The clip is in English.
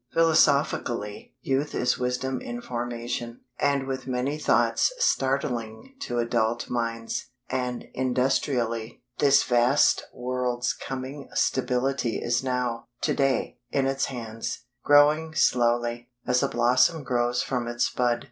Philosophically, Youth is Wisdom in formation, and with many thoughts startling to adult minds; and, industrially, this vast World's coming stability is now, today, in its hands; growing slowly, as a blossom grows from its bud.